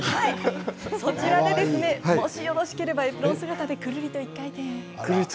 そちらで、もしよろしければエプロン姿でくるりと１回転。